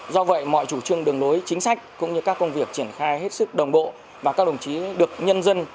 do vậy mọi chủ trương đường lối chính sách cũng như các công việc triển khai hết sức đồng bộ và các đồng chí được nhân dân